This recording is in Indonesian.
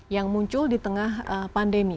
yang muncul di tengah pandemi